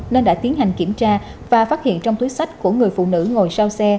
nên đã tiến hành kiểm tra và phát hiện trong túi sách của người phụ nữ ngồi sau xe